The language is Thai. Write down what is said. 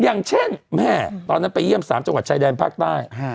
อย่างเช่นแม่ตอนนั้นไปเยี่ยม๓จังหวัดชายแดนภาคใต้